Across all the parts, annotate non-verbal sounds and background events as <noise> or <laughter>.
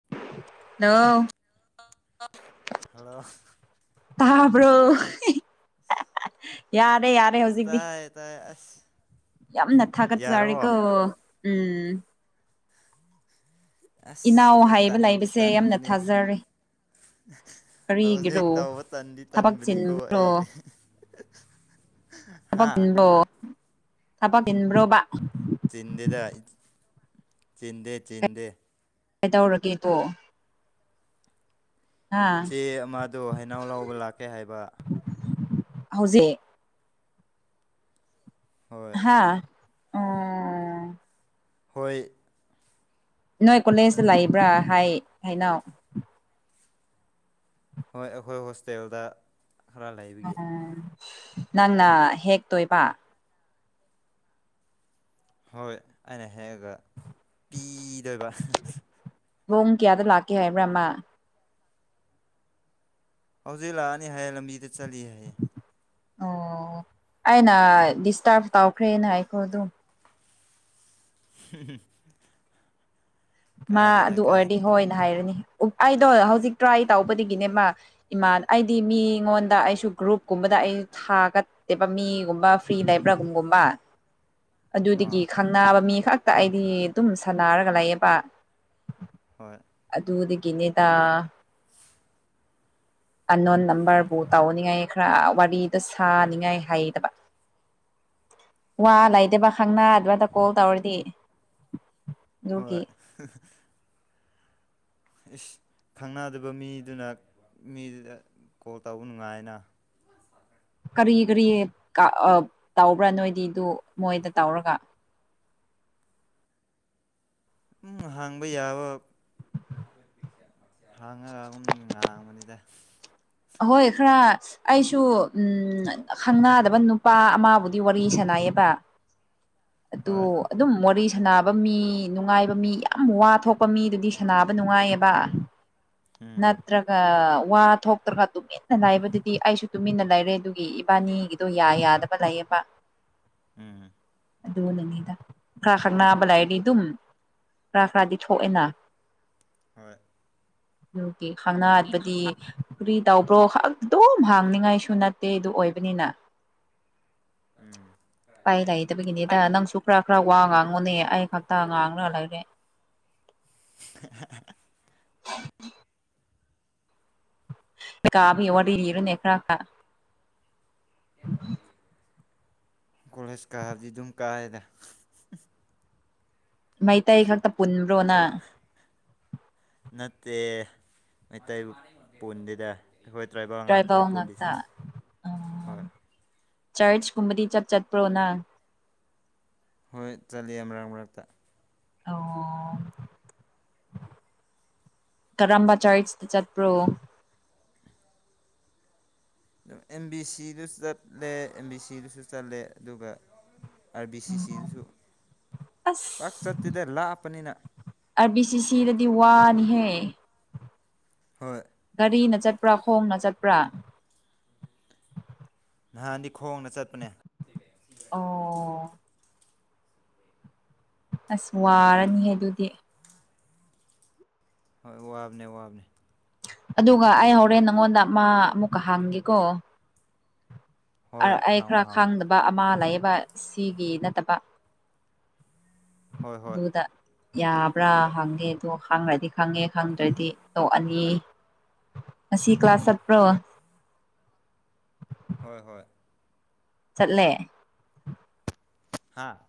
<unintelligible> hello ꯇꯥꯕ꯭ꯔꯣ <inaudible> ꯌꯥꯔꯦ ꯌꯥꯔꯦ ꯍꯧꯖꯤꯛꯇꯤ ꯇꯥꯏꯌꯦ ꯑꯁ ꯌꯥꯝꯅ ꯌꯥꯔꯕꯣ ꯊꯥꯒꯠꯆꯔꯤꯀꯣ ꯎꯝ ꯑꯁ ꯏꯅꯥꯎ ꯑꯩ ꯍꯥꯏꯕ ꯇꯟꯗꯤ ꯂꯩꯕꯁꯦ ꯌꯥꯝꯅ ꯇꯟꯕꯅꯦ ꯊꯥꯖꯔꯦ ꯍꯧꯖꯤꯛ ꯀꯔꯤꯒꯤꯔꯣ ꯇꯧꯕ ꯇꯟꯗꯤ ꯊꯕꯛ ꯇꯟꯕꯅꯤꯀꯣ ꯆꯤꯟꯕ꯭ꯔꯣ ꯑꯩ ꯊꯕꯛ ꯍꯥꯥ ꯆꯤꯟꯕ꯭ꯔꯣ ꯊꯕꯛ ꯇꯤꯟꯕ꯭ꯔꯣꯕ ꯆꯤꯟꯗꯦꯗ ꯆꯤꯟꯗꯦ ꯆꯤꯟꯗꯦ ꯀꯩꯗꯧꯔꯒꯦꯗꯣ ꯍꯥ ꯆꯦ ꯑꯃꯗꯣ ꯍꯩꯅꯧ ꯂꯧꯕ ꯂꯥꯛꯀꯦ ꯍꯥꯏꯕ ꯍꯧꯖꯤꯛ ꯍꯣꯏ ꯍꯥꯥ ꯍꯣꯏ ꯅꯣꯏ ꯀꯣꯂꯦꯖꯇ ꯂꯩꯕ꯭ꯔꯥ ꯍꯥꯏ ꯍꯩꯅꯧ ꯍꯣꯏ ꯑꯩꯈꯣꯏ ꯍꯣꯁꯇꯦꯜꯗ ꯈꯔ ꯂꯩꯕꯒꯤ ꯅꯪꯅ ꯍꯦꯛꯇꯣꯏꯕ ꯍꯣꯏ ꯑꯩꯅ ꯍꯦꯛꯑꯒ ꯄꯤꯗꯣꯏꯕ ꯄꯨꯡ ꯀꯌꯥꯗ ꯂꯥꯛꯀꯦ ꯍꯥꯏꯕ꯭ꯔꯥ ꯃꯥ ꯍꯧꯖꯤꯛ ꯂꯥꯛꯑꯅꯤ ꯍꯥꯏꯌꯦ ꯂꯝꯕꯤꯗ ꯆꯠꯂꯤ ꯍꯥꯏꯌꯦ ꯑꯣ ꯑꯩꯅ ꯗꯤꯁꯇ꯭ꯔꯐ ꯇꯧꯈ꯭ꯔꯦꯅ ꯍꯥꯏꯈꯣ ꯑꯗꯨꯝ <unintelligible> ꯃꯥ ꯀꯥꯏꯗꯦꯗ ꯑꯗꯨ ꯑꯣꯏꯔꯗꯤ ꯀꯥꯏꯗꯦꯗ ꯍꯣꯏ ꯍꯥꯏꯔꯅꯤ ꯑꯩꯗꯣ ꯍꯧꯖꯤꯛ ꯇ꯭ꯔꯥꯏ ꯇꯧꯕꯗꯒꯤꯅꯦ ꯃꯥ ꯏꯃꯥꯟ ꯑꯩꯗꯤ ꯃꯤꯉꯣꯟꯗ ꯑꯩꯁꯨ ꯒ꯭ꯔꯨꯞꯀꯨꯝꯕꯗ ꯑꯩꯁꯨ ꯊꯥꯒꯠ ꯃꯤꯒꯨꯝꯕ ꯐ꯭ꯔꯤ ꯂꯩꯕ꯭ꯔꯥꯒꯨꯝꯕ ꯑꯥ ꯑꯗꯨꯗꯒꯤ ꯈꯪꯅꯕ ꯃꯤ ꯈꯛꯇ ꯑꯩꯗꯤ ꯑꯗꯨꯝ ꯁꯥꯟꯅꯔꯒ ꯂꯩꯌꯦꯕ ꯍꯣꯏ ꯑꯗꯨꯗꯒꯤꯅꯦꯗ ꯑꯟꯅꯣꯟ ꯅꯝꯕꯔꯕꯨ ꯇꯧꯅꯤꯡꯉꯥꯏ ꯈ꯭ꯔꯥ ꯋꯥꯔꯤꯗꯣ ꯁꯥꯅꯤꯡꯉꯥꯏ ꯍꯩꯇꯗꯕ ꯋꯥ ꯂꯩꯇꯦꯕ ꯈꯪꯅꯥꯗꯔꯒ ꯀꯣꯜ ꯇꯧꯔꯗꯤ ꯍꯣꯏ ꯑꯗꯨꯒꯤ ꯏꯁ ꯈꯪꯅꯗꯕ ꯃꯤꯗꯨꯅ ꯃꯤꯗꯨꯗ ꯀꯣꯜ ꯇꯧꯕ ꯅꯨꯡꯉꯥꯏꯅ ꯀꯔꯤ ꯀꯔꯤ ꯀꯥ ꯑꯥ ꯇꯧꯕ꯭ꯔꯥ ꯅꯣꯏꯗꯤꯗꯨ ꯃꯣꯏꯗ ꯇꯧꯔꯒ ꯎꯝ ꯍꯥꯡꯕ ꯌꯥꯕ ꯍꯥꯡꯉꯒ ꯎꯝ ꯉꯥꯡꯕꯅꯤꯗ ꯑꯍꯣꯏ ꯈꯔ ꯑꯩꯁꯨ ꯎꯝ ꯈꯪꯅꯥꯗꯕ ꯅꯨꯄꯥ ꯑꯃꯕꯨꯗꯤ ꯋꯥꯔꯤ ꯁꯅꯩꯌꯦꯕ ꯑꯗꯨ ꯍꯣꯏ ꯑꯗꯨꯝ ꯋꯥꯔꯤ ꯁꯥꯅꯕ ꯃꯤ ꯅꯨꯡꯉꯥꯏꯕ ꯃꯤ ꯌꯥꯝ ꯋꯥ ꯊꯣꯛꯄ ꯃꯤꯗꯨꯗꯤ ꯁꯅꯕ ꯅꯨꯡꯉꯥꯏꯌꯦꯕ ꯎꯝ ꯅꯠꯇ꯭ꯔꯒ ꯋꯥ ꯊꯣꯛꯇ꯭ꯔꯒ ꯇꯨꯃꯤꯟꯅ ꯂꯩꯕꯗꯨꯗꯤ ꯑꯩꯁꯨ ꯇꯨꯃꯤꯟꯅ ꯂꯩꯔꯦ ꯑꯗꯨꯝ ꯢ ꯏꯕꯥꯅꯤꯒꯤꯗꯣ ꯌꯥ ꯌꯥꯗꯕ ꯂꯩꯌꯦꯕ ꯎꯝ ꯑꯗꯨ ꯅꯅꯤꯗ ꯈꯔꯥ ꯈꯪꯅꯥꯕ ꯂꯔꯗꯤ ꯑꯗꯨꯝ ꯈꯔꯥ ꯈꯔꯥꯗꯤ ꯊꯣꯛꯑꯦꯅꯥ ꯍꯣꯏ ꯗꯤ ꯈꯪꯅꯥꯠꯕꯗꯤ ꯀꯔꯤ ꯇꯕ꯭ꯔꯣ ꯍꯛ ꯑꯗꯨꯝ ꯍꯥꯡꯅꯤꯉꯥꯏꯁꯨ ꯅꯠꯇꯦ ꯑꯗꯨ ꯑꯣꯏꯕꯅꯤꯅ ꯎꯝ ꯀꯅꯥ ꯂꯥꯛꯏꯅꯣ ꯑꯗꯨꯒꯤꯅꯤꯗ ꯅꯪꯁꯨ ꯈꯔꯥ ꯈꯔꯥ ꯋꯥ ꯉꯥꯡꯉꯨꯅꯦ ꯑꯩ ꯈꯛꯇ ꯉꯥꯡꯉ ꯂꯩꯔꯦ ꯍꯥꯍꯥꯍꯥ ꯑꯥꯀꯥꯕꯤ ꯋꯥꯔꯤ ꯂꯤꯌꯣꯅꯦ ꯈꯔ ꯈꯔ ꯀꯣꯂꯦꯖ ꯀꯥꯕꯗꯤ ꯑꯗꯨꯝ ꯀꯥꯏꯑꯦꯗꯥ ꯃꯩꯇꯩ ꯈꯛꯇ ꯄꯨꯟꯕ꯭ꯔꯣ ꯅꯥ ꯑꯣ ꯅꯠꯇꯦ ꯃꯩꯇꯩꯕꯨ ꯄꯨꯟꯗꯦꯗꯥ ꯑꯩꯈꯣꯏ ꯇꯔꯥꯏꯕꯔꯦꯜ ꯉꯥꯛꯇꯅꯦ ꯇ꯭ꯔꯥꯏꯕꯦꯜ ꯄꯨꯜꯂꯤꯁꯦ ꯉꯥꯛꯇ ꯍꯣꯏ ꯆꯥꯔꯁꯀꯨꯝꯕꯗꯤ ꯆꯠ ꯆꯠꯄ꯭ꯔꯣꯅ ꯍꯣꯏ ꯆꯠꯂꯦ ꯑꯃꯔꯛ ꯑꯃꯔꯛꯇ ꯑꯣ ꯀꯔꯝꯕ ꯆꯥꯔꯁ ꯇ ꯆꯠꯄ꯭ꯔꯣ ꯑꯦꯝ ꯕꯤ ꯁꯤꯗꯁꯨ ꯆꯠꯂꯦ ꯑꯦꯝ ꯕꯤ ꯁꯤꯗꯨꯁꯨ ꯆꯠꯂꯦ ꯑꯗꯨꯒ ꯑꯥꯔ ꯕꯤ ꯁꯤ ꯎꯝ ꯁꯤꯗꯁꯨ ꯄꯥꯛ ꯆꯠꯇꯦꯗ ꯂꯥꯞꯄꯅꯤꯅ ꯑꯥꯔꯕꯤ ꯁꯤ ꯁꯤꯗꯗꯤ ꯋꯥꯅꯤꯍꯦ ꯍꯣꯏ ꯒꯥꯔꯤꯅ ꯆꯠꯄ꯭ꯔꯥ ꯈꯣꯡꯅ ꯆꯠꯄ꯭ꯔꯥ ꯅꯍꯥꯟꯗꯤ ꯈꯣꯡꯅ ꯆꯠꯄꯅꯦ <unintelligible> ꯑꯣ ꯑꯁ ꯋꯥꯔꯅꯤꯍꯦ ꯑꯗꯨꯗꯤ ꯍꯣꯏ ꯋꯥꯕꯅꯦ ꯋꯥꯕꯅꯦ ꯑꯗꯨꯒ ꯑꯩ ꯍꯣꯔꯦꯟ ꯅꯪꯉꯣꯟꯗ ꯃꯥ ꯑꯃꯨꯛꯀ ꯍꯥꯡꯒꯦꯀꯣ ꯑ ꯍꯣꯏ ꯑꯩ ꯍꯥꯡꯉꯣ ꯈꯔꯥ ꯍꯥꯡꯉꯣ ꯈꯥꯡꯗ ꯕ ꯑꯃ ꯂꯩꯑꯦꯕ ꯁꯤꯒꯤ ꯅꯠꯇꯕ ꯍꯣꯏ ꯍꯣꯏ ꯑꯗꯨꯗ ꯌꯥꯕ꯭ꯔꯥ ꯍꯪꯉꯦ ꯑꯗꯣ ꯍꯪꯉꯗꯤ ꯈꯪꯉꯦ ꯈꯪꯗ꯭ꯔꯗꯤ ꯇꯣꯛꯑꯅꯤ ꯉꯥꯁꯤ ꯀ꯭ꯂꯥꯁ ꯆꯠꯄ꯭ꯔꯣ ꯍꯣꯏ ꯍꯣꯏ ꯆꯠꯂꯦ ꯍꯥꯥ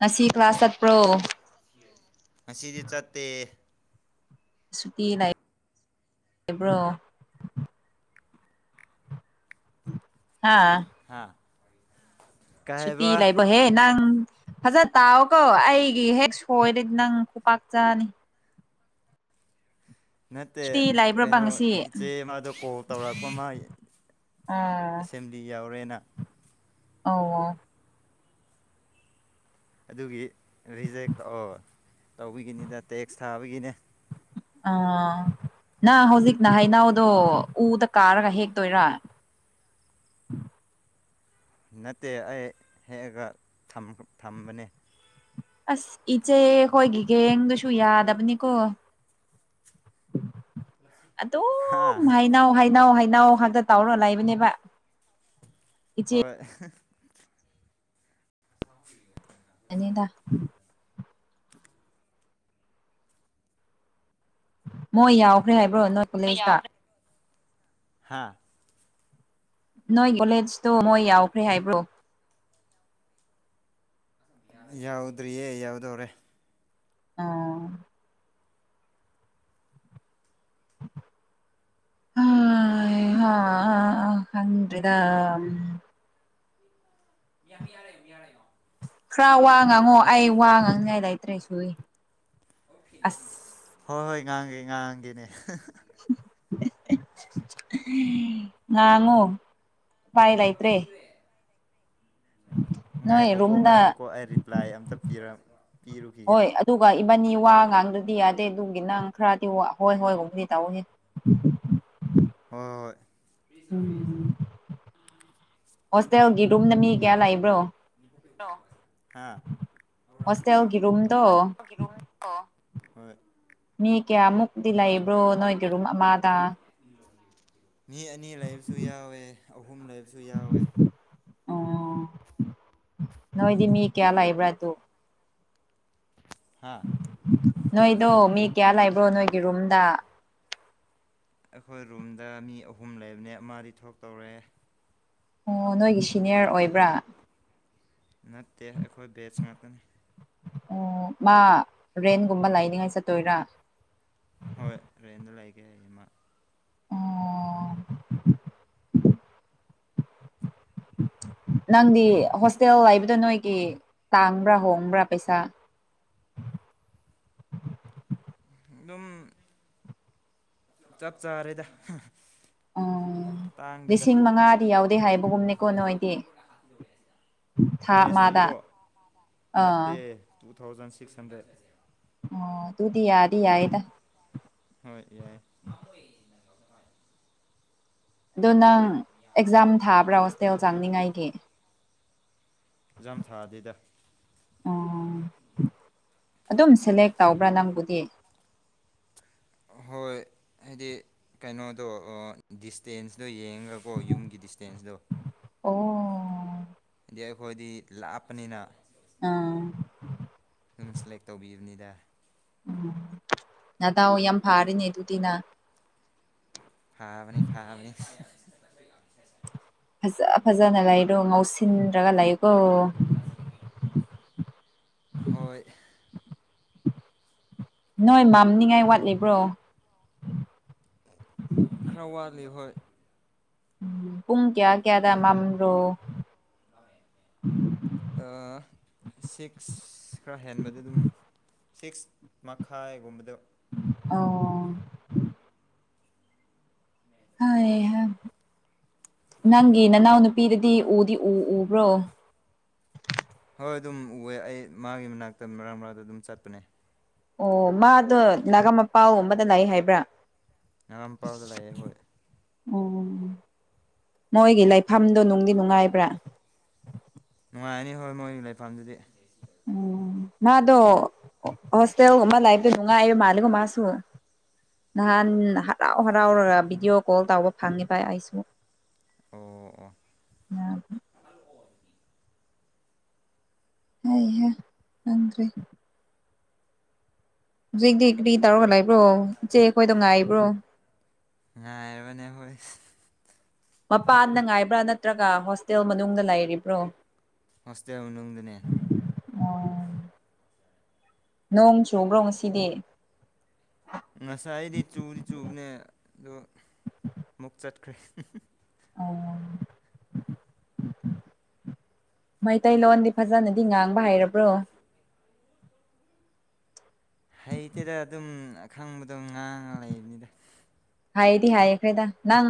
ꯉꯁꯤ ꯀ꯭ꯂꯥꯁ ꯆꯠꯄ꯭ꯔꯣ <unintelligible> ꯉꯁꯤꯗꯤ ꯆꯠꯇꯦ ꯁꯨꯇꯤ ꯂꯩꯕ꯭ꯔꯣ ꯍꯥꯥ ꯍꯥꯥ ꯁꯨꯇꯤ ꯂꯩꯕꯍꯦ ꯅꯪ ꯐꯖ ꯇꯥꯎꯑꯣꯀꯣ ꯑꯩꯒꯤ ꯍꯦꯛ ꯁꯣꯏꯔꯗꯤ ꯅꯪ ꯈꯨꯄꯥꯛ ꯆꯥꯅꯤ ꯅꯠꯇꯦ ꯁꯨꯇꯤ ꯂꯩꯕ꯭ꯔꯕ ꯀꯩꯅꯣ ꯉꯁꯤ ꯏꯆꯦ ꯑꯃꯥꯗꯣ ꯀꯣꯜ ꯇꯧꯔꯛꯄ ꯃꯥꯏ ꯑꯣ ꯑꯦꯁꯦꯝꯕ꯭ꯂꯤ ꯌꯥꯎꯔꯦꯅ ꯑꯣ ꯑꯣ ꯑꯗꯨꯒꯤ ꯔꯤꯖꯦꯛ ꯇꯧꯑꯣ ꯇꯧꯕꯒꯤꯅꯤꯗ ꯇꯦꯛꯁ ꯊꯥꯕꯒꯤꯅꯦ ꯑꯥ ꯅꯪ ꯍꯧꯖꯤꯛꯅ ꯍꯩꯅꯧꯗꯣ ꯎꯗ ꯀꯥꯔꯒ ꯍꯦꯛꯇꯣꯏꯔꯥ ꯅꯠꯇꯦ ꯑꯩ ꯍꯦꯛꯑꯒ ꯊꯝ ꯊꯝꯕꯅꯦ ꯑꯁ ꯏꯆꯦ ꯈꯣꯏꯒꯤ ꯒꯦꯡꯗꯨꯁꯨ ꯌꯥꯗꯕꯅꯤꯀꯣ <inaudible> ꯍꯥ ꯑꯗꯨꯝ ꯍꯩꯅꯥꯎ ꯍꯩꯅꯥꯎ ꯍꯩꯅꯥꯎ ꯈꯛꯇ ꯇꯧꯔ ꯂꯩꯕꯅꯦꯕ ꯏꯆꯦ ꯍꯣꯏ <inaudible> ꯌꯥꯅꯤꯗ <inaudible> ꯃꯣꯏ ꯌꯥꯎꯈ꯭ꯔꯦ ꯍꯥꯏꯕ꯭ꯔꯣ ꯅꯣꯏ ꯀꯣꯂꯦꯖꯇ <unintelligible> ꯍꯥꯥ ꯅꯣꯏ ꯀꯣꯂꯦꯖꯇꯣ ꯃꯣꯏ ꯌꯥꯎꯈ꯭ꯔꯦ ꯍꯥꯏꯕ꯭ꯔꯣ ꯌꯥꯎꯗ꯭ꯔꯤꯌꯦ ꯌꯥꯎꯗꯧꯔꯦ ꯑꯣ <unintelligible> ꯈꯪꯗ꯭ꯔꯦꯗ ꯌꯥꯗꯤ ꯌꯥꯔꯦ <unintelligible> ꯈꯔ ꯋꯥ ꯉꯥꯡꯉꯣ ꯑꯩ ꯋꯥ ꯉꯥꯡꯅꯤꯉꯥꯏ ꯂꯩꯇ꯭ꯔꯦ ꯁꯨꯏ ꯑꯁ <unintelligible> ꯍꯣꯏ ꯉꯥꯡꯒꯦ ꯉꯥꯡꯒꯦꯅꯦ <unintelligible> ꯉꯥꯡꯉꯣ <unintelligible> ꯅꯣꯏ ꯉꯥꯏꯈꯣꯀꯣ ꯔꯨꯝꯗ ꯉꯥꯏꯈꯣꯀꯣ ꯑꯩ ꯔꯤ ꯔꯤꯄ꯭ꯂꯥꯏ ꯑꯝꯇ ꯄꯤꯔꯝ ꯄꯤꯔꯨꯈꯤꯒꯦ ꯍꯣꯏ ꯑꯗꯨꯒ ꯏꯕꯥꯅꯤ ꯋꯥ ꯉꯥꯡꯗꯗꯤ ꯌꯥꯗꯦ ꯑꯗꯨꯒꯤ ꯅꯪ ꯈꯔꯗꯤꯋꯥ ꯍꯣꯏ ꯍꯣꯏꯒꯨꯝꯕꯗꯤ ꯇꯧꯋꯣꯍꯦ ꯍꯣꯏ ꯍꯣꯏ ꯎꯝ ꯍꯣꯁꯇꯦꯜꯒꯤ ꯔꯨꯝꯗ ꯃꯤ ꯀꯌꯥ ꯂꯩꯕ꯭ꯔꯣ ꯍꯣꯁꯇꯦꯜꯒꯤ ꯔꯨꯝꯗꯣ <unintelligible> ꯑꯣ ꯍꯣꯏ ꯃꯤ ꯀꯌꯥꯃꯨꯛꯇꯤ ꯂꯩꯕ꯭ꯔꯣ ꯅꯣꯏꯒꯤ ꯔꯨꯝ ꯑꯃꯗ ꯃꯤ ꯑꯅꯤ ꯂꯩꯕꯁꯨ ꯌꯥꯎꯋꯦ ꯑꯍꯨꯝ ꯂꯩꯕꯁꯨ ꯌꯥꯎꯋꯦ ꯑꯣ ꯅꯣꯏꯗꯤ ꯃꯤ ꯀꯌꯥ ꯂꯩꯕ꯭ꯔ ꯑꯗꯨ ꯍꯥꯥ ꯅꯣꯏꯗꯣ ꯃꯤ ꯀꯌꯥ ꯂꯩꯕ꯭ꯔꯣ ꯅꯣꯏꯒꯤ ꯔꯨꯝꯗ ꯑꯩꯈꯣꯏ ꯔꯨꯝꯗ ꯃꯤ ꯑꯍꯨꯝ ꯂꯩꯕꯅꯦ ꯑꯃꯗꯤ ꯊꯣꯛꯇꯧꯔꯦ ꯑꯣ ꯅꯣꯏꯒꯤ ꯁꯤꯅꯤꯌꯔ ꯑꯣꯏꯕ꯭ꯔꯥ ꯅꯠꯇꯦ ꯑꯩꯈꯣꯏ ꯕꯦꯠꯁ ꯉꯥꯛꯇꯅꯤ ꯑꯣ ꯃꯥ ꯔꯦꯟꯒꯨꯝꯕ ꯂꯩꯅꯤꯉꯥꯏ ꯆꯠꯇꯣꯏꯔꯥ ꯍꯣꯏ ꯔꯦꯟꯗ ꯂꯩꯒꯦ ꯍꯥꯏꯌꯦ ꯃꯥ ꯑꯣ ꯅꯪꯗꯤ ꯍꯣꯁꯇꯦꯜ ꯂꯩꯕꯗꯣ ꯅꯣꯏꯒꯤ ꯇꯥꯡꯕ꯭ꯔꯥ ꯍꯣꯡꯕ꯭ꯔꯥ ꯄꯩꯁꯥ ꯑꯗꯨꯝ ꯆꯞ ꯆꯥꯔꯦꯗ ꯑꯣ ꯇꯥꯡꯗꯦꯗ ꯂꯤꯁꯤꯡ ꯃꯉꯥꯗꯤ ꯌꯧꯗꯦ ꯍꯥꯏꯕꯒꯨꯝꯅꯦꯀꯣ ꯅꯣꯏꯗꯤ ꯊꯥ ꯃꯦꯁ ꯑꯃꯗ ꯐꯤꯔꯣ ꯑ ꯅꯠꯇꯦ ꯇꯨ ꯊꯥꯎꯖꯟ ꯁꯤꯛꯁ ꯍꯟꯗ꯭ꯔꯦꯠ ꯑꯣ ꯗꯨꯨꯗꯤ ꯌꯥꯗꯤ ꯌꯥꯏ ꯍꯣꯏ ꯌꯥꯏ ꯑꯗꯣ ꯅꯪ ꯑꯦꯛꯖꯥꯝ ꯊꯥꯕ꯭ꯔꯥ ꯍꯣꯁꯇꯦꯜ ꯆꯪꯅꯤꯡꯉꯥꯏꯒꯤ ꯑꯦꯛꯖꯥꯝ ꯊꯥꯗꯦꯗ ꯑꯣ ꯑꯗꯨꯝ ꯁꯦꯂꯦꯛ ꯇꯧꯕ꯭ꯔꯥ ꯅꯪꯕꯨꯗꯤ ꯍꯣꯏ ꯍꯥꯏꯗꯤ ꯀꯩꯅꯣꯗꯣ ꯑ ꯗꯤꯁꯇꯦꯟꯁꯇꯣ ꯌꯦꯡꯉꯒ ꯀꯣ ꯌꯨꯝꯒꯤ ꯗꯤꯁꯇꯦꯟꯁꯇꯣ ꯑꯣ ꯍꯥꯏꯗꯤ ꯑꯩꯈꯣꯏꯗꯤ ꯂꯥꯛꯄꯅꯤꯅ ꯑ ꯑꯗꯨꯝ ꯁꯦꯂꯦꯛ ꯇꯧꯕꯤꯕꯅꯤꯗ ꯎꯝ ꯅꯗꯥꯎ ꯌꯥꯝ ꯐꯥꯔꯦꯅꯦ ꯑꯗꯨꯗꯤ ꯅꯪ ꯐꯥꯕꯅꯤ ꯐꯥꯕꯅꯤ ꯐꯖ ꯐꯖꯅ ꯂꯩꯔꯣ ꯉꯧꯁꯤꯟꯔꯒ ꯂꯩꯌꯨꯀꯣ <unintelligible> ꯍꯣꯏ ꯅꯣꯏ ꯃꯥꯝꯅꯤꯡꯉꯥꯏ ꯋꯥꯠꯂꯤꯕ꯭ꯔꯣ ꯈꯔ ꯋꯥꯠꯂꯤ ꯍꯣꯏ ꯄꯨꯡ ꯀꯌꯥ ꯀꯌꯥꯗ ꯃꯝꯕ꯭ꯔꯣ ꯑ ꯁꯤꯛꯁ ꯈꯔ ꯍꯦꯟꯕꯗ ꯑꯗꯨꯝ ꯁꯤꯛꯁ ꯃꯈꯥꯏꯒꯨꯝꯕꯗ ꯑꯣ ꯍꯩ ꯍꯥ ꯅꯪꯒꯤ ꯅꯅꯥꯎ ꯅꯨꯄꯤꯗꯨꯗꯤ ꯎꯗꯤ ꯎ ꯎꯕ꯭ꯔꯣ ꯍꯣꯏ ꯑꯗꯨꯝ ꯎꯑꯦ ꯑꯩ ꯃꯥꯒꯤ ꯃꯅꯥꯛꯇ ꯃꯔꯛ ꯃꯔꯛꯇ ꯑꯗꯨꯝ ꯆꯠꯄꯅꯦ ꯑꯣ ꯃꯥꯗꯣ ꯅꯒꯥꯃꯄꯥꯜ ꯒꯨꯝꯕꯗ ꯂꯩ ꯍꯥꯏꯕ꯭ꯔꯥ ꯅꯒꯥꯝꯄꯥꯜꯗ ꯂꯩꯌꯦ ꯍꯣꯏ ꯑꯣ ꯃꯣꯏꯒꯤ ꯂꯩꯐꯝꯗꯣ ꯅꯨꯡꯗꯤ ꯅꯨꯡꯉꯥꯏꯕ꯭ꯔꯥ ꯅꯨꯡꯉꯥꯏꯅꯤ ꯍꯣꯏ ꯃꯣꯏꯒꯤ ꯂꯩꯐꯝꯗꯨꯗꯤ ꯎꯝ ꯃꯥꯗꯣ ꯍꯣꯁꯇꯦꯜꯒꯨꯝꯕ ꯂꯩꯕꯗꯣ ꯅꯨꯡꯉꯥꯏꯕ ꯃꯥꯜꯂꯦꯀꯣ ꯃꯥꯁꯨ ꯅꯍꯟ ꯍꯔꯥꯎ ꯍꯔꯥꯎꯔꯒ ꯚꯤꯗꯤꯌꯣ ꯀꯣꯜ ꯇꯧꯕ ꯐꯪꯉꯦꯕ ꯑꯩꯁꯨ ꯑꯣ ꯑꯣ <unintelligible> ꯍꯩꯍꯥ ꯈꯪꯗ꯭ꯔꯦ ꯍꯧꯖꯤꯛꯇꯤ ꯀ꯭ꯔꯤ ꯇꯧꯔꯒ ꯂꯩꯕ꯭ꯔꯣ ꯏꯆꯦ ꯈꯣꯏꯗꯣ ꯉꯥꯏꯕ꯭ꯔꯣ ꯉꯥꯏꯕꯅꯦ ꯍꯣꯏ ꯃꯄꯥꯟꯗ ꯉꯥꯏꯕ꯭ꯔꯥ ꯅꯠꯇ꯭ꯔꯒ ꯍꯣꯁꯇꯦꯜ ꯃꯅꯨꯡꯗ ꯂꯩꯔꯤꯕ꯭ꯔꯣ ꯍꯁꯇꯦꯜ ꯅꯨꯡꯗꯅꯦ ꯑꯣ ꯅꯣꯡ ꯆꯣꯡꯕ꯭ꯔꯣ ꯉꯁꯤꯗꯤ ꯉꯁꯥꯏ ꯑꯩꯗꯤ ꯆꯨꯗꯤ ꯆꯨꯕꯅꯦ ꯑꯗꯣ ꯑꯃꯨꯛ ꯆꯠꯈ꯭ꯔꯦ ꯃꯩꯇꯩꯥꯏꯂꯣꯟꯗꯤ ꯐꯥꯖꯅꯦ ꯗꯤ ꯉꯥꯡꯕ ꯍꯥꯏꯔꯕ꯭ꯔꯣ ꯍꯩꯇꯦꯗ ꯑꯗꯨꯝ ꯑꯈꯪꯕꯗꯣ ꯉꯥꯡꯉ ꯂꯩꯕꯅꯤꯗ ꯍꯥꯏꯌꯦꯗꯤ ꯍꯥꯏꯌꯦ ꯈ꯭ꯔꯦꯗ ꯅꯪ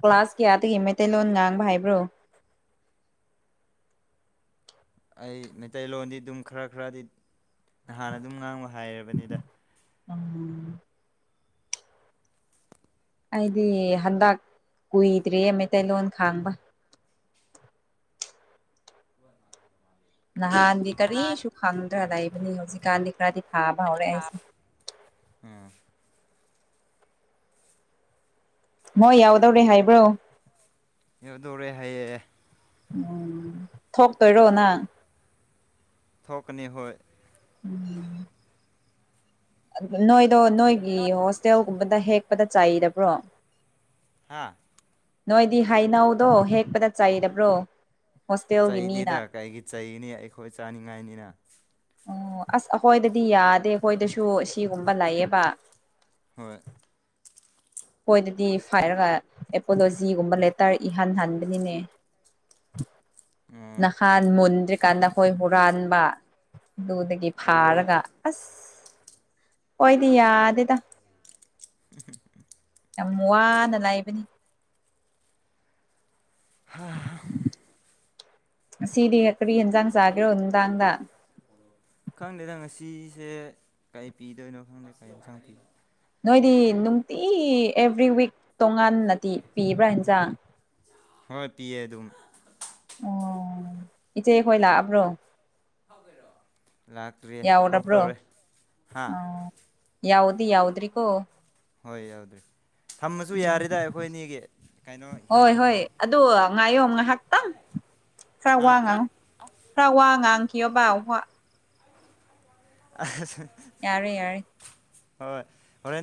ꯀ꯭ꯂꯥꯁ ꯀꯌꯥꯗꯒꯤ ꯃꯩꯇꯩꯂꯣꯟ ꯉꯥꯡꯕ ꯍꯥꯏꯕ꯭ꯔꯣ ꯑꯩ ꯃꯩꯇꯩꯂꯣꯟꯗꯤ ꯗꯨꯝ ꯈꯔ ꯈꯔꯗꯤ ꯍꯥꯟꯅ ꯗꯨꯝ ꯉꯥꯡꯕ ꯍꯥꯏꯔꯕꯅꯤꯗ <unintelligible> ꯑꯩꯗꯤ ꯍꯟꯗꯛ ꯀꯨꯏꯗ꯭ꯔꯌꯦ ꯃꯩꯇꯩꯂꯣꯟ ꯈꯥꯡꯕ <unintelligible> ꯅꯍꯥꯟꯗꯤ ꯀꯔꯤꯁꯨ ꯈꯪꯗ꯭ꯔꯥ ꯂꯩꯕꯅꯤ ꯍꯧꯖꯤꯛꯀꯥꯟꯗꯤ ꯈꯔꯗꯤ ꯐꯥꯥꯕ ꯍꯧꯔꯛꯦ ꯑꯩꯁꯦ <unintelligible> ꯃꯣꯏ ꯌꯥꯎꯗꯧꯔꯦ ꯍꯥꯏꯕ꯭ꯔꯣ ꯌꯧꯗꯣꯔꯦ ꯍꯥꯏꯌꯦ ꯎꯝ ꯊꯣꯛꯇꯣꯏꯔꯣ ꯅꯪ ꯊꯣꯛꯀꯅꯤ ꯍꯣꯏ ꯎꯝ ꯅꯣꯏꯗꯣ ꯅꯣꯏꯒꯤ ꯅꯣꯏ ꯍꯣꯁꯇꯦꯜꯒꯨꯝꯕꯗ ꯍꯦꯛꯄꯗ ꯆꯩꯗꯕ꯭ꯔꯣ ꯍꯥꯥ ꯅꯣꯏꯗꯤ ꯍꯩꯅꯧꯗꯣ ꯍꯦꯛꯄꯗ ꯆꯩꯗꯕ꯭ꯔꯣ ꯍꯣꯁꯇꯦꯜꯒꯤ ꯃꯤꯅ ꯆꯩꯗꯦꯗ ꯀꯔꯤꯒꯤ ꯆꯩꯅꯤ ꯑꯩꯈꯣꯏ ꯆꯥꯅꯤꯡꯉꯥꯏꯅꯤꯅ ꯑꯣ ꯑꯁ ꯑꯩꯈꯣꯏꯗꯗꯤ ꯌꯥꯗꯦ ꯑꯩꯈꯣꯏꯗꯁꯨ ꯁꯤꯒꯨꯝꯕ ꯂꯩꯌꯦꯕ ꯍꯣꯏ ꯍꯣꯏꯗꯗꯤ ꯐꯥꯏꯔꯒ ꯑꯦꯄꯣꯂꯣꯖꯤꯒꯨꯝꯕ ꯂꯦꯇꯔ ꯏꯍꯟ ꯍꯟꯕꯅꯤꯅꯦ ꯎꯝ ꯅꯍꯥꯟ ꯃꯨꯟꯗ꯭ꯔꯤ ꯀꯥꯟꯗ ꯍꯣꯏ ꯍꯨꯔꯥꯟꯕ ꯗꯨꯗꯒꯤ ꯑꯣ ꯐꯥꯔꯒ ꯑꯁ ꯍꯣꯏꯗꯤ ꯌꯥꯗꯦꯗ <unintelligible> ꯌꯥꯝ ꯋꯥꯅ ꯂꯥꯏꯕꯅꯤ ꯁꯤꯗꯤ ꯀꯔꯤ ꯍꯦꯟꯖꯥꯡ ꯆꯥꯍꯦꯔꯣ ꯅꯨꯡꯗꯥꯥꯡꯗ ꯈꯪꯗꯦꯗ ꯉꯁꯤꯁꯦ ꯀꯩ ꯄꯤꯗꯣꯏꯅꯣ ꯈꯪꯗꯦ ꯀꯩ ꯏꯁꯥꯡ ꯄꯤ ꯅꯣꯏꯗꯤ ꯅꯨꯡꯇꯤ ꯑꯦꯕ꯭ꯔꯤ ꯋꯤꯛ ꯇꯣꯉꯥꯟꯅꯗꯤ ꯄꯤꯕ꯭ꯔꯥ ꯍꯤꯟꯖꯥꯡ ꯍꯣꯏ ꯄꯤꯌꯦ ꯑꯗꯨꯝ ꯑꯣ ꯏꯆꯦ ꯈꯣꯏ ꯂꯥꯛꯑꯕ꯭ꯔꯣ ꯂꯥꯛꯇ꯭ꯔꯤꯌꯦ ꯌꯥꯎꯔꯕ꯭ꯔꯣ ꯊꯣꯛꯇꯧꯔꯦ ꯍꯥ ꯑꯣ ꯌꯥꯎꯗꯤ ꯌꯥꯎꯗ꯭ꯔꯤ ꯀꯣ ꯍꯣꯏ ꯌꯥꯎꯗꯔꯦ ꯊꯝꯃꯁꯨ ꯌꯥꯔꯤꯗ ꯑꯩꯈꯣꯏ ꯑꯅꯤꯒꯤ ꯀꯩꯅꯣ ꯍꯣꯏ ꯍꯣꯏ ꯍꯦꯜꯂꯕꯅꯦ ꯑꯗꯨ ꯉꯥꯏꯌꯣ ꯉꯥꯏꯍꯥꯛꯇꯪ <unintelligible> ꯑꯁ ꯌꯥꯔꯦ ꯌꯥꯔꯦ ꯍꯣꯏ ꯍꯣꯔꯦꯟ